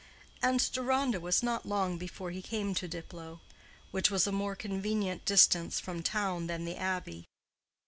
And Deronda was not long before he came to Diplow, which was a more convenient distance from town than the Abbey.